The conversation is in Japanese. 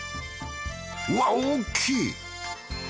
うわ大きい！